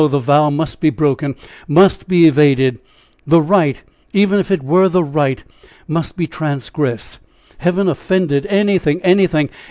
the vow must be broken, must be evaded; the right, even if it were the right, must be transgressed, heaven offended anything! anything!